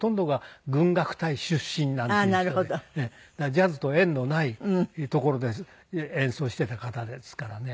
ジャズと縁のないところで演奏していた方ですからね